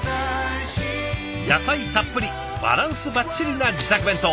野菜たっぷりバランスばっちりな自作弁当。